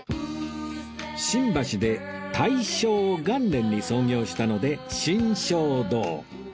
新橋で大正元年に創業したので新正堂